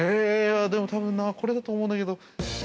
でも、多分なこれだと思うんだけど。